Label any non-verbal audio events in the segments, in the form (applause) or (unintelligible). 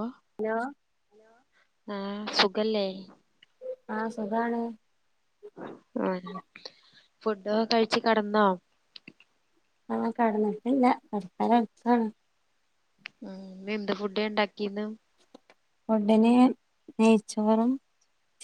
ഓഹ് hello ആഹ് സുഖല്ലേ? ആഹ് സുഖാണ്. ആഹ് ഫുഡൊക്കെ കഴിച്ചു കെടന്നോ? ആഹ് കെടന്നിട്ടില്ല കടക്കാല അടുക്കാണ്. ഉം ന്നിഎന്ത് ഫുഡി ഉണ്ടാക്കിന്ന്? ഫുഡിന് നെയ്ച്ചോറും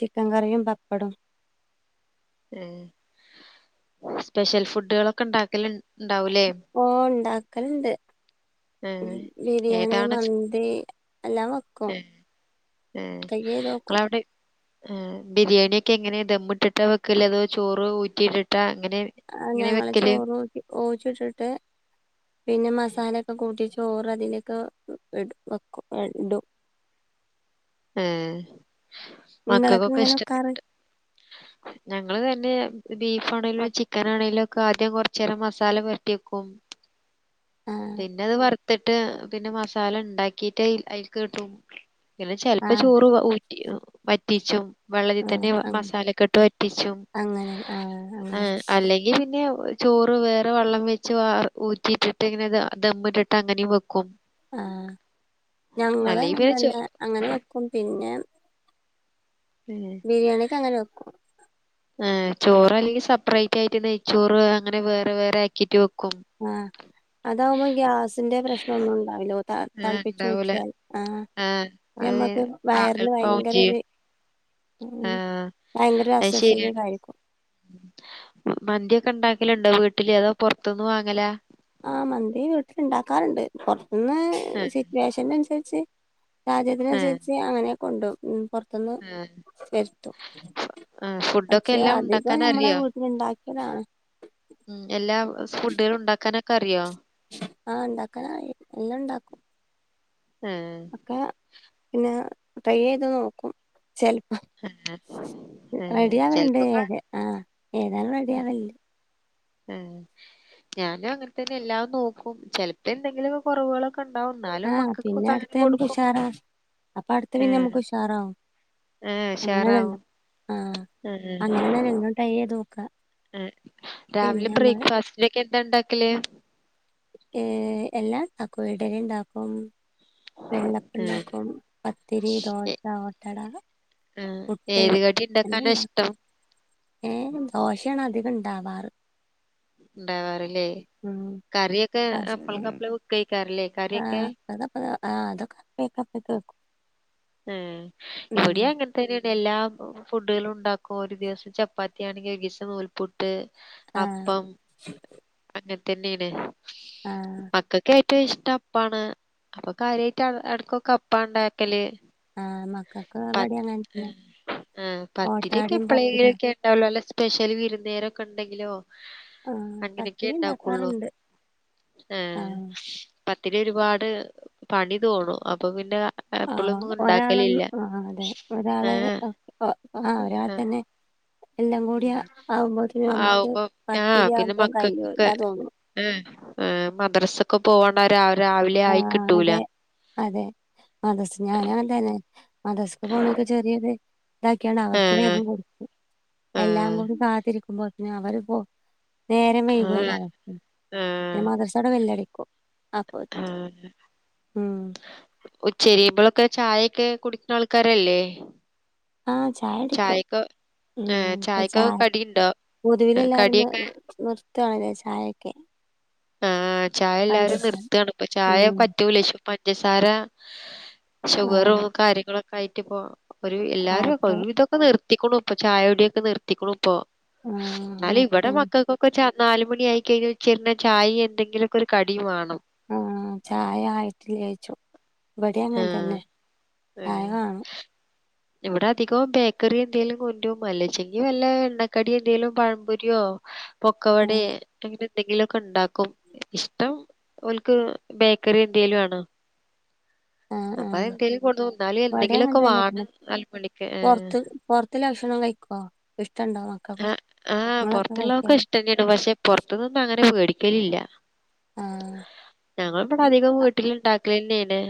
ചിക്കൻ കറിയും പപ്പടൊം. ഏഹ് സ്പെഷ്യൽ ഫുഡുകളൊക്കെ ഉണ്ടാക്കല് ഉണ്ടാവലേ? ഓഹ് ഒണ്ടാക്കലിണ്ട്. ഏഹ് ബിരിയാണി ഏതാണ് മന്തി എല്ലാം വെക്കും. ഏഹ് ഏഹ് ട്രൈ ചെയ്ത് ങ്ങളെ നോക്കും അവിടെ ഏഹ് ബിരിയാണിയൊക്കെ എങ്ങനെ ദമ്മ ഇട്ടിട്ടാ വെക്കല്ലേ അതോ ചോറ് ഊറ്റിയിട്ടിട്ടാ അങ്ങനെ ആഹ് ഞങ്ങള് ചോറ് ഊറ്റ് ഊറ്റിട്ടിട്ട് പിന്നെ മസാലൊക്കെ കൂട്ടി ചോറ് അതിലൊക്കെ ഇട് വെക്കും ഇടും. ഏഹ് നിങ്ങളൊക്കെ മക്കക്കൊക്കെ ഇങ്ങനെ വെക്കാറ് ഇഷ്ടപ്പെട്ടു ഞങ്ങള് തന്നെ ബീഫാണെലോ ചിക്കൻ ആണെലോക്കെ ആദ്യം കൊറച്ചേരം മസാല പരറ്റി വെക്കും. ആഹ് പിന്നെത് വറുത്തിട്ട് പിന്നെ മസാല ഉണ്ടാക്കിട്ട് അയി അയിലീകിടും. പിന്നെ ചെലപ്പോ ആഹ് ചോറ്ഊറ്റി വറ്റിച്ചും. വെള്ളത്തിൽ ആഹ് തന്നെ മസാലക്കെട്ട് വറ്റിച്ചും അങ്ങനെ അങ്ങനെ ആഹ് ആ അങ്ങനെ അല്ലെങ്കിൽ പിന്നെ ചോറ് വേറെ വെള്ളം വെച്ച് വാർ ഊറ്റിട്ടിട്ട് ഇങ്ങനെ ദമ്മിട്ടിട്ട് അങ്ങനെയും വെക്കും. ആഹ് ഞങ്ങള് അല്ലെങ്കി പിന്നെ ചോ ആങ്ങനന്നേ അങ്ങനെ വെക്കും പിന്നെ ഏഹ്. ബിരിയാണിക്ക് അങ്ങനെ വെക്കും ഏഹ് ചോറ് അല്ലെങ്കിൽ ശപ്പറേറ്റ് ആയിട്ട് നെയ്ച്ചോറ് അങ്ങനെ വേറെ വേറെ ആക്കിട്ട് വെക്കും. ആഹ് അതാവുമ്പം ഗ്യാസ് ന്റെ പ്രശ്നമ ഒന്നും ഉണ്ടാവില്ലോ ആഹ് തളുപ്പിച്ച് ഉണ്ടാവൂല ഊറ്റിയൽ ആഹ്. ഞമ്മക്ക് ആഹ് വയറിന് എളുപ്പാവും ഭയങ്കര ചെയ്യും വേ ഉം ആഹ് ഭയങ്കര അത് അസ്വസ്ഥതയു ശരിയാണ് കാരിക്കും. മന്തിയൊക്കെ ഉണ്ടാക്കലുണ്ടോ വീട്ടില് അതോ പുറത്തൊന്നന്ന് വാങ്ങല? ആഹ് മന്തി വീട്ടിലിണ്ടാക്കാറുണ്ട് പൊറത്തുന്ന് ആഹ് സിറ്റുവേഷന് അനുസരിച്ച് ആഹ് സാഹചര്യത്തിനനുസരിച്ചു അങ്ങനെയൊക്കെ കൊണ്ടോവും ഉം പൊ റ ത്ത് ന്ന് ആഹ് വരുത്തും ആഹ് ഫുഡൊക്കെ പക്ഷെ എല്ലാം അധികം ഉണ്ടാക്കാൻ അറിയോ നമ്മളെവീ ഇത് ഉണ്ടാക്ക്ന്ന് യാണ്. ഉം എല്ലാ ഫുഡുകൾ ഉണ്ടാക്കാനൊക്കെ അറിയോ? ആഹ് ഉണ്ടാക്കാനറിയാം എല്ലാം ഇണ്ടാക്കും. ഏഹ് ഒക്കെ പിന്നെ ട്രൈ ചെയ്ത് നോക്കും ചെലപ്പം ഏഹ് റെഡി ആവലുണ്ട് ചെലപ്പൊക്കെ ഏത് ആഹ് ഏതും റെഡി ആവല്ണ്ട്. ആ ഞാനും അങ്ങനെ തന്നെ എല്ലാം നോക്കും ചിലപ്പോ എന്തെങ്കിലും കുറവുകളൊ ണ്ടാവും എന്നാലും ആഹ് മക്കൾക്ക് പിന്നെ ഒക്കെ അങ്ങനെ അടുത്ത നമുക്ക് കൊടുക്കും ഉഷാറാ അപ്പൊ അടുത്ത ഏ പിന്നെ നമുക്ക് ഉഷാറാവും ആഉ ഷാ അങ്ങനെയണല്ലോ റാവും ആഹ് ആഏ അങ്ങനെയാണല്ലോ എല്ലാം ട്രൈ ചെയ്ത് നോക്ക പിന്നെ രാവിലും നമ്മള് ബ്രേക്ക്ഫാസ്റ്റിനൊക്കെ എന്താ ഉണ്ടാക്കല് ഏ എല്ലാ ഉണ്ടാക്കും ഇഡലി ഉണ്ടാക്കും ഏഹ് വെള്ളപ്പണ്ടാക്കും പത്തിരി ദോശ ഓട്ടട ആ പുട്ട് ഏത് കടി ഉണ്ടാക്കാനോ ഇഷ്ടം ഏഹ ദോശയാണ് അധികം ഇണ്ടാവാറ് ഉണ്ടാവാറ് ല്ലേ ഉം കറിയൊക്കെ അപ്പളക്കെപപ്പളെ വെക്കും ആയികാരം ല്ലേ ആഹ അപ്പപ്പ ആ അതൊക്കെക്കയപ്പോ വവെക്കും ഉ ഇവിടെഅങ്ങന പി ന്നെയണ്ട് എല്ലാ ഫുഡുകളും ഉണ്ടാക്കും ഒരു ദിവസം ചപ്പാത്തി ആണെങ്കിൽ ഒരു ദിവസം നൂൽപുട്ട് ട്ട് ആഹ് അപ്പം അങ്ങനതന്നെയാണ് ആഹ് മക്കള് ക്ക് ഏറ്റവും ഇഷ്ടം അപ്പാണ് അപ്പൊ കാര്യമായിട്ട് ഇ ടക്ക അ പ്പ ഉണ്ടാക്കല് ആഹ മ പത്ത് ആ് പത്തിരി യോ ക്കെ ഓട്ടാടയും പത്തിരിയും എപ്പഴേകിലൊക്കെ എ ഉണ്ട ല്ല സ്പെഷ്യൽ വിരുന്നേരക്കെ ഉണ്ടെങ്കിലോ ആഹ് അങ്ങനെയക്കെ പത്തിരി ഉണ്ടാക്കള്ളൂ ഉണ്ടാക്കാറുണ്ട് ആഹ ആഹ് പത്തി രി ഒരുപാട് പണി തോന്നും അപ്പൊ പിന്നെ എപ്പളൊന്നുംണ്ടാക്കി ആ അതെ ഒരാള് ആ ഒരാൾ തന്നെ എല്ലാം ഉ കൂടി ആവുമ്പോത്തിന് നമുക്ക് ആവുമ്പ ആഹ് പത്തിരി പിന്നെ ആവുമ്പോ കഴിയൂല മക്കൾക്കൊക്കെ തോന്നും ഏ് മദ്രസൊക്കെ പോവണ്ട രാവിലെ ആയി ആഹ് കിട്ടൂല അതെ അതെ മദസ് ഞാന ങ്ങനെ തന്നെ മദസ്ക്ക് പോണക്കെ ചെറിയത് ഇതാക്കിയാ ണ്ട് അവർക്ക് ഏഹ് വേഗം കൊടുകും എല്ലാം ഏഹ് കൂടി കാത്തിരിക്കുമ്പോത്തെ അവര്പ്പോ നേരം വൈകുവല്ല ഏഹ് പിന്നെ ഏഹ് മദ്രസോയുടെ വെല്ലടിക്കോ അപ്പ ഉ ചെരിിയുമ്പളൊക്കെ ചായയൊക്കെ കുടി കുന്ന ആൾക്കാരല്ലേ ആഹ ചായ കു ടിക്കും ചായക്ക് ഏഹ് ഉ ചായക്ക് ചായ കടിയുണ്ടോ പൊതുവില ഏ എല്ലാവർന്ന് കടിയൊക്കെ നിർത്തവാണല്ലേ ചായൊക്കെ ആഹ ചായ എല്ലാരും പണ്ടൊക്കെ നിർത്തുകയാണ് ഇപ്പൊ ചായ ഉം പറ്റൂല പഞ്ചസാര ആഹ് ഷുഗറും കാര്യങ്ങളൊക്കെ ആയിട്ട് ഇപ്പോ ഒരു എല്ലാവാരും ആട്ട് ഒരു വിതക്കെ നിർത്തിക്കണുഇപ്പൊ ചായോടിയൊക്കെ നിർത്തിക്കണു ഇപ്പോ ആഹ് എന്നാല ഇവിടെ മത്തിയാണ് മക്കൾക്ക നാല് മണിയാ യി കഴിഞ്ഞൽഉ ച്ചിരഞ്ഞ ചായ എന്തെിലൊക്കെ ഒരു കടിയും വേണം ആ ചായ ആയിട്ടില്ല ചോയിക്കും ഇവിടെ അങ്ങനെ ആഹ് തന്നെ ചായ ഏഹ് വേണം ഇവിടെ അധികം ബേക്കറി എന്തെങ്കലും കൊണ്ടുവരും അല്ലചെ ങ്കി വല്ല എണ്ണക്കടി എന്തേങ്കലും പഴംപൊരിയോ ഉം പൊക്കവടെ അങ്ങനെ എന്തെങ്കിലുമൊക്കെ ഉണ്ടാക്കും ഇഷ്ടം അവർ ക്ക് ബേക്കറി എ ന്ത്യയിലും ആണ് ആഹ് അപ്പൊ അത ആഹ് എന്തെങ്കിലും കൊടെ തോന്നാല് ഇവിടേം എന്തെങ്കിലു ഒക്കെ അങ്ങനെ തന്നെ വാങ്ങും നാ ല് മണിക്ക് പുറത്തുള്ള ഭക്ഷണം കഴിക്കോ ഇഷ്ടുണ്ടാവോ മക്കൾക്ക നിങ്ങളൊക്കെ കഴിക്കോ ഇഷ്ടം തന്നെയാണ് പക്ഷെ പുറത്തു നിന്നും അങ്ങനെ മേടിക്കലില്ല ആഹ ഞങ്ങൾ ഇവിടെ അധികം വീട്ടില്ണ്ടാക്കലന്നേനെ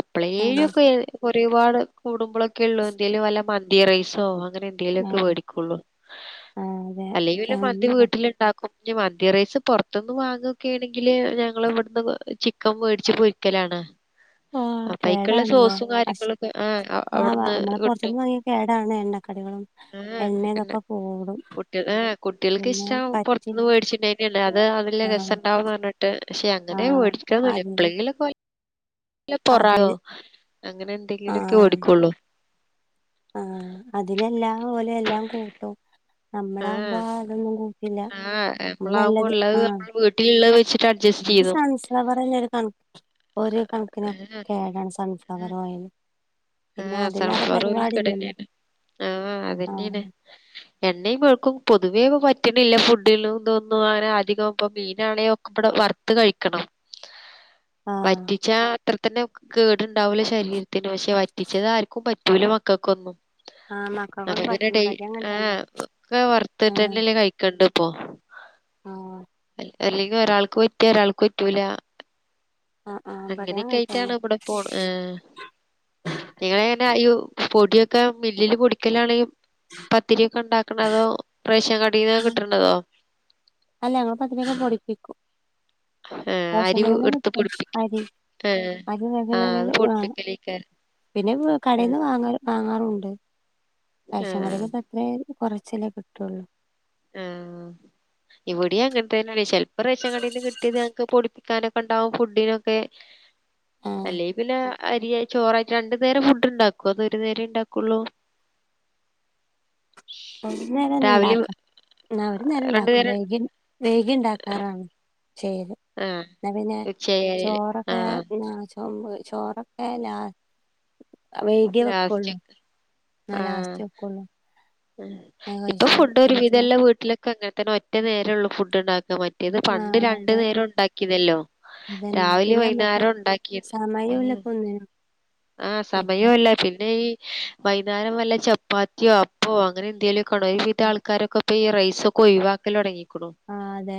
എപ്പളെ ആഹ് ഒക്കെ ഒരുപാട് കൂടുമ്പോളോക്കെ ഉള്ളൂ എന്തേൽ വല്ല മന്തി റൈസോ അങ്ങനെ ങ്കിലൊക്കെ ആഹ് വേടിക്കുള്ളു ആഹ് അതെ അല്ലെങ്കില് മന്തി വീട്ടില്ണ്ടാക്കും മന്തി റൈസ് പൊറത്തിന്ന് വാങ്ങുക്കെണെങ്കിൽ ങ്കില് ഞങ്ങള് ഇവിടുന്ന് ചിക്കൻ മേടിച്ച് പൊരിക്കലാണ് ആഹ് അ പൈക്കുള്ള കേടാണ്ല്ലേ സോസും ഭക്ഷ കാര്യങ്ങളൊക്കെ ആ് ആഹ് അവിടുന്ന് നമ്മള് കിട്ടും പൊറത്ത്ന്ന് വാങ്ങിയ കേടാണ് എണ്ണക്കടികളും ആ എണ്ണ എന്നെ ഇതൊക്കെ കൂടും കുട്ടിക കുട്ടികൾക്ക് പിന്നെ ഇഷ്ട പറ്റി പുൊറത്തുന്ന് വേടിച്ചിണ് അത് അതില് ആഹ് രസംണ്ടാവന്ന് പറഞ്ഞിട്ട് പക്ഷെ അങ്ങനെ ആഹ് മേടിക്കണം അതില് എപ്പോളെങ്കിലൊ ക്കെ പൊറോ അതില് അങ്ങനെ എന്തെങ്കിലുക്കെ വേടിക്കുള്ളൂ ആഹ അതിലെല്ലാ ഓലെല്ലാം കൂട്ടും നമ്മളാവുമ്പോ അതൊന്നും കൂട്ടില്ല ആഹ് നമ്മ നമ്മളാവബ ഇള്ളത് നമ്മെ വീട്ടിൽ വെച്ചി എ സൺസ പറയുന്ന ഒരു കണ ഒരു കണക്കിന് ആ കേടാണ് സൺസ കവർ ഓയിൽ പിന്നെ ആ അതില്ലാതെ സാൻഫ്ലവർ ഓയിൽ പരിപാടി ഇല്ലല്ലോ കേടെന്നെണ് ആ അതെന്നെയാണ് ആഹ് എണ്ണയും പമേഴുക്കും പൊതുവേക്ക പറ്റണില്ല ഫുഡിലോന്നും അങ്ങനെ അധികം ഇപ്പ മീനാണോ പപ്പടം വറുത്ത്‌ കഴിക്കണം ആഹ് വറ്റിച്ചാ അത്ര തന്നെ കേട്ണ്ടാവൂല ശരീരത്തിന് പശേ വ വറ്റിച്ചത് ആർക്കും പറ്റൂല മക്കക്കൊന്നും ആഹ് ആ മക്കൾക്കൊന്നും പിന്നെ പറ്റില്ല ടെ ഇവടിം അങ്ങനെ ആ തന്നെ ഒക്കെ ആഹ് വറുത്തട്ടന്നെല്ലേ കഴിക്കണ്ടപ്പോ ആഹ് അല്ലെങ്കി ഒരാൾക്ക് പറ്റിയ ഒരാൾക്ക് പറ്റൂല ആഹ് ആഹ് ഇബടിം അങ്ങനെക്കെ അങ്ങനെ ആയിട്ടാണ് തന്നെ അവിടെ പോണ് ഏ നിങ്ങള എങ്ങനെ യ പൊടിയൊക്കെ മമില്ലില് പൊടിക്കലാണ് പത്തിരിക്കെ ഇണ്ടാക്കണതോ റേഷൻ കടയിന്ന കിട്ടണ്ണ്ടതോ അല്ല ഞ പത്തിരിക്കൊക്കെ പൊടിപ്പിക്കും ആഹ് രശ അരി കടേന്നു എടുത്ത് പൊടിപ്പിക്ക അരി ആഹ് അ ആഹ് അത് ദസഞ്ഞ പൊട്ടിക്കലേക്കാരം പിന്നെ ആഹ് കടയിൽന്ന് വാങ്ങാ വാങ്ങാറുണ്ട് റേഷൻ ആഹ് കാടെന്നു തെന്നെ കുറച്ചല്ലേ കിട്ടുള്ളൂ ഏഹ്. ഇവിടെയും അങ്ങനെ തന്നെയല്ലേ ചെപ്പം റേഷൻ കടയിന്ന് കിട്ടിയത്ക്ക് പൊടിപ്പിക്കാനൊക്കെ ഉണ്ടാവും ഫുഡിനൊക്കെ ആഹ് അല്ലെ പിന്നെ അരി ചോറായിട്ട് രണ്ടു നേരം ഫുഡ്ണ്ടാക്കൊ അതെ ഒരു നേരണ്ടാക്കുള്ളൂ ഒരു നേരന്ന രാവിലിം ഉണ്ടാക്കാ ആ ഒരു നേരം ഉണ്ടാക്കു വെയ് മേഗിണ്ടാക്കാറാണ് ചെയ്ത് ആഹ് എന്നാ പിന്നെ ഉച്ചയായാല് ചോറൊക്കെ ആഹ് ചോ ചോറൊക്കെ ലാ. വൈകിയേ ലാസ്റ്റ് വെക്കുള്ളൂ ന്നാ ആഹ് ലാസ്റ്റ് വെക്കുള്ളൂ അത് ഇപ്പൊ ശരി ഫുഡ് ഒരു എനിക്കോ വിധല്ല വീട്ടിലൊക്കെ അങ്ങനെ തന്നെ ഒറ്റ നേരംള്ളു ഫുഡ് ഉണ്ടാക്കാ മ റ്റേത് ആ പണ്ട് രണ്ട് അതെ നേരം ഉണ്ടാക്കിണോല്ലോ അതന്നെ രാവിലെ പിന്നെ നമ്മക്ക് വൈന്നേരം ഉണ്ടാക്കിന്ന് സമയമില്ല ഉം. ഇപ്പൊ ഒന്നിനും ആഹ ഇപ്പൊ സമയുല്ല പിന്നെ ഈ വൈന്നേരം വല്ല ചപ്പാത്തിയോ അപ്പോ അങ്ങനെ എന്തേലു ക്കണോ ഒരുവിത ആൾക്കാരൊക്കെ ഇപ്പൊ ഈ റൈസക്കെ ഒഴിവാക്കലൊടങ്ങിക്കണു ആ അതെ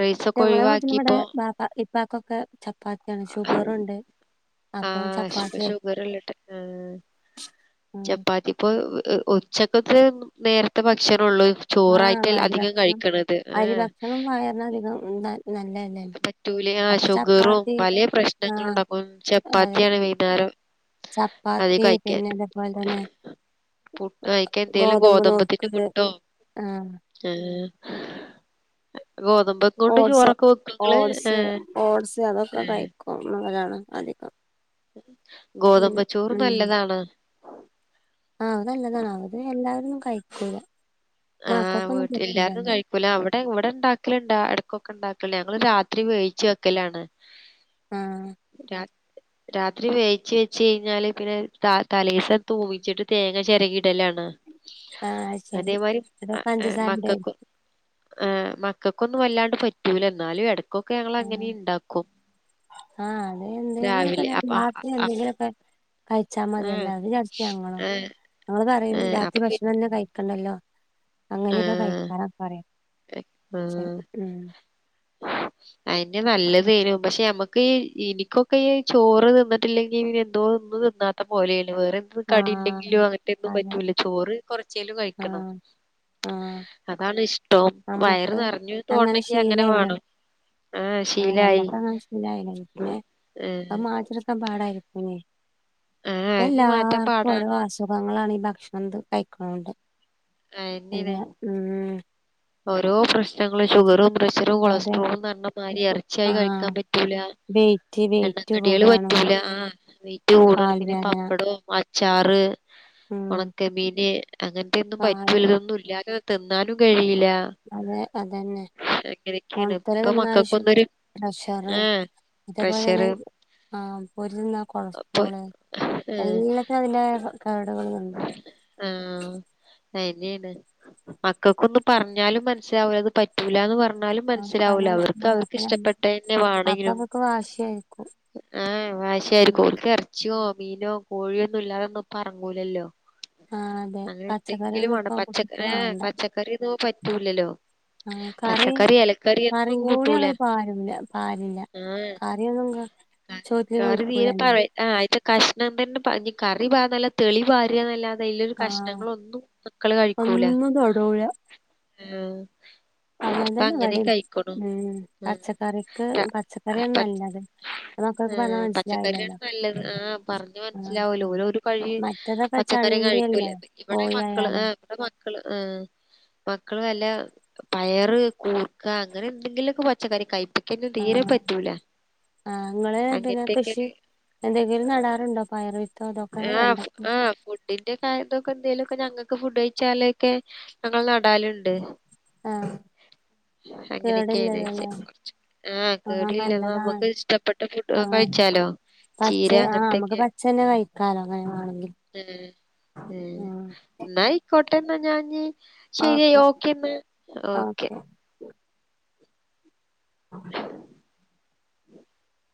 റൈസൊക്കെ ഞങ്ങളെ വീട്ടില് ഇവിടെ ഒഴിവാക്കിപ്പോ ബാപ്പ ഇപ്പക്കൊക്കെ ചപ്പാത്തിയാണ് ഷുഗറുണ്ട് അപ്പൊ ചപ്പാത്തി ആഹ് കഴിക്കും ശുകരല്ലട്ട ആഹ ചപ്പാത്തി പ്പൊ ഉച്ചക്കത്ത് നേരത്തെ ഭക്ഷണള്ളൂ ആ അരി ഭക്ഷണം അരി ഏഹ് ഭക്ഷണം വയറിനധികം നല്ലല്ലേ പറ്റൂല ആ ഷുഗറും പല ആ പ്രശ്നങ്ങള ഉണ്ടാക്കും അതെ ചപ്പാത്തിയാണ് വൈന്നേരം ചപ്പാത്തി പിന്നെ അതേപോലെന്നെ പുട്ടോ അയിക്കന്തേലും ഗോതമ്പത്തിന്റെ നുറുക്ക് പുട്ടോ ആഹ് ഏ ഗോതമ്പ കൊണ്ട് ഓട്സ് ചോറൊക്കെ വെക്കും. ഓട്സ് ഓട്സ് അതൊക്കെ കഴിക്കുതലാണ് അധികം പിന്നെ ഗോതമ്പ് ചോർ ഉം നല്ലതാണ്. ആഹ് അത് നല്ലതാണ് അവത് എല്ലാവരന്നും കഴിക്കൂല മക്കൾക്കൊന്നും പറ്റില്ല. ക്കുല അവിടെ ഇവിടെ ഉണ്ടാക്കലുണ്ട് ഇടക്കൊക്കെ ഉണ്ടാക്കലണ്ട് ഞങ്ങള് രാത്രി വേവിച്ച് വെക്കലാണ്. ആഹ് രാ രാത്രി വേവിച്ച് വെച്ച് കഴിഞ്ഞാല് പിന്നെ ത തലേസം തൂമിച്ചിട്ട് തേങ്ങ ചിരകിയിടലാണ്. ആഹ് അയ്ശരി അതൊ മക്കക്കും മക്കൾക്കൊന്നും വല്ലാണ്ട് പറ്റൂല എന്നാലും എട ക്കൊക്കെ ഞങ്ങൾ ആഹ് അങ്ങനിം ഇണ്ടാക്കും. ആഹ് അത് എന്തെങ്കിലൊക്കെ ഞാൻ അപ്പ നാട്ടി എന്തെങ്കിലക്കെ കഴിച്ചാൽ ആഹ് മതിയല്ലേ, അത് വിചാരിച്ച് ഞങ്ങളും ഏഹ് ഞങ്ങൾ പറയും ഏഹ് അപ്പൊ രാത്രി പി ഭക്ഷണം തന്നെ കഴി കണ്ടല്ലോ അങ്ങനെയൊക്കെ ആഹ് കഴിക്കറാ പറയാ. ആഹ്. പക്ഷെ ഉം അയിന് (unintelligible) പക്ഷെ നമ്മക്ക് ഇനിക്കൊക്കെ ഈ ചോറ് തിന്നിട്ടില്ലെങ്കിൽ പിന്നെ എന്തോന്ന് ഇന്നാത്തെ പോലെയും വേറ കടി ആഹ് ഉണ്ടെങ്കിലോ അങ്ങനത്തെ ഒന്നും അതെ പറ്റൂല, ചോറ് കൊറച്ചേലും കഴിക്കണം. ആഹ് ആഹ് അതാണ് ഇഷ്ടം വയറ് നമ്മക്ക് നിറഞ്ഞു തോന്നണെങ്കിൽ അങ്ങനെ വേണം. അഹ് ആഹ് ശീലായി ഞമ്മക്ക് അങ്ങനെ ആഹ് ' (unintelligible) 'പാടായിരിക്കും, ആഹ് അത് ഇഞ്ഞ് മാറ്റാൻ എല്ലാർക്കും ഓരോ പാടാണ് അസുഖ അസുഖങ്ങളാണ് ഈ ഭക്ഷണം കഴിക്കുന്നതോണ്ട്. അയന്നെണ് ഓരോ പ്രശ്നങ്ങളും ഷുഗറും പ്രശ്ന പ്രഷറും, അതെ കൊളസ്ട്രോളുന്ന് പറഞ്ഞ മാതിരി ഇപ്പൊ ഇറച്ചിയായി കഴിക്കാൻ ആഹ് പറ്റൂല. വെയിറ്റ് വെയിറ്റ് എണ്ണക്കടികൾ കൂടാണ് പറ്റൂല, ആഹ് വൈറ്റ് കൂടും കാല് പിന്നെ വേദന പപ്പടം ഉം അച് ചാറ്, ഉം ഉണക്കമീന് അങ്ങനത്തെ ഒന്നും പ കാല് ഇതൊന്നും ഇല്ലാതെ തിന്നാനും കഴിയില്ല. അതെ അതന്നെ അങ്ങനെയൊക്കെയാണ് ഓണത്തിന് ഇപ്പൊ തിന്ന ശേഷം മക്കൾക്കൊന്നൊരു പ്രഷറ് ആഹ് അതേപോലെ തന്നെ പ്രഷറ് ആഹ് പൊരി തിന്നാൽ അപ്പൊ കൊളസ്ട്രോള്. ആഹ് എല്ലത്തിനും അതിന്റേതായ കേടുകളുണ്ട്. ആഹ് അതന്നെണ് മക്കൾക്കൊന്നും പറഞ്ഞാലും മനസ്സിലാവൂല ഇത് പറ്റൂലന്ന് പറഞ്ഞാലും ആഹ് പറഞ്ഞ മനസ്സിലാവൂല, അവർക്ക് അവർക്ക് ഇഷ്ടപ്പെട്ട തന്നെ വേണെങ്കിലും വാശിയായിക്കും. ആഹ് വാശിയായിരിക്കും ഓൽക്ക് എർ എർച്ചിയോ മീനോ കോഴിയൊന്നും ഇല്ലാതൊന്നും പ്പോ എറങ്ങൂലല്ലോ. ആ അതെ അങ്ങനെ ഉണ്ടെങ്കിലും പച്ചക്കറിയൊന്നും വാണ്ട ഇപ്പ പച്ചക്ക കുട്ടിക്ക് ഏയ് വേണ്ട പച്ചക്കറി ഒന്നും പറ്റൂലല്ലോ. ആ കറി പച്ചക്കറി എലക്കറി ഒന്നും കറിയും കൂടി കൂട്ടൂല, അവര് ആഹ് (unintelligible) കാ കറി തീരെ പറ ആഹ് ആയിത്ത കഷ്ണം തന്നെ പാഞ്ഞ് കറി പാർന്നാല് തെളി പാരന്നല്ലാതെ അയിലെ ആ കഷ്ണങ്ങളൊന്നും മക്കള് കഴിക്കൂല, ഒന്നും തൊടൂല ഏഹ് അങ്ങനെതന്നെ ഇവടിം ഉം ഉം പച്ചക്കറിക്ക് ര പച്ചക്കറിയാണ് പ നല്ലത്. അത് മക്കൾക്ക് പറഞ്ഞാ ആഹ് പച്ചക്കറിയാണ് മനസ്സിലാവില്ലല്ലോ നല്ലത് ആഹ് പറഞ്ഞ് ആ മനസ്സിലാവൂല ഓല് ഓരോ കഴി മറ്റേതൊക്കെ പച്ചക്കറി കഴിക്കൂല ചണ്ടിയല്ലേ ഇവിടെ കോഴി മക്കള് ആയാലും അഹ് ഇവിടെ മക്കള് ആഹ് മക്കള് വല്ല പയറ്, കൂർക്ക അങ്ങനെ എന്തെങ്കിലുമൊക്കെ പച്ചക്കറി കഴ്പ്പ കഴ്പ്പന്നും തീരെ പറ്റൂല. ആഹ് നിങ്ങള് പിന്നെ കൃഷി അങ്ങനത്തെക്കെണ് എന്തെങ്കിലും നടാറുണ്ടോ പയറ്. അതൊക്കെ വെണ്ട ആഹ് ആഹ് ഫുഡിന്റെ കാര്യന്തൊക്കെ എന്തേലുക്കെ ഞങ്ങൾക്ക് ഫുഡ് കഴിച്ചാള്ളൊക്കെ ഞങ്ങൾ നടാലുണ്ട്. ആ അങ്ങനെക്കേണ്. കേടില്ലല്ലോ ല്ലേ ആഹ് കേടില്ല നമ്മുക്ക് ഇഷ്ടപ്പെട്ട ഫുഡ് ആഹ് കഴിച്ചാലോ. പച്ച ചീര ആഹ് നമുക്ക് അങ്ങനത്തൊക്കെ പച്ച തന്നെ കഴിക്കാലോ അങ്ങനെ വേണെങ്കിൽ ഉം ഉം ആഹ് ന്നാ അയ്ക്കാട്ടെ ന്നാ ഞാഞ്ഞ് ശരിയ ഓക്കെ ഓക്കെന്ന് ഓക്കെ. (unintelligible)